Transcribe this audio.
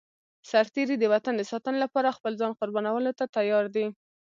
سرتېری د وطن د ساتنې لپاره خپل ځان قربانولو ته تيار دی.